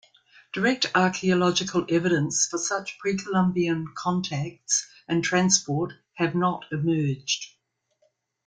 Direct archaeological evidence for such pre-Columbian contacts and transport have not emerged.